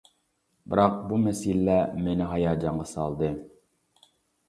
بىراق بۇ مەسىلىلەر مېنى ھاياجانغا سالدى.